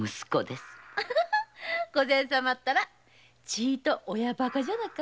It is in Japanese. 御前様ったらちいっと親ばかじゃなか？